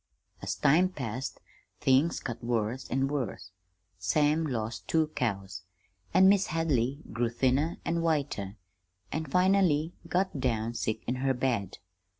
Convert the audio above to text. "As time passed, things got worse an' worse. Sam lost two cows, an' Mis' Hadley grew thinner an' whiter, an' finally got down sick in her bed.